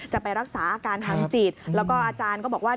จะไปรักษาอาการทางจิตแล้วก็อาจารย์ก็บอกว่า